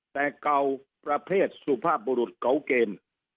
แต่เก่าประเภทสุภาพบุรุษเก่าเกณฑ์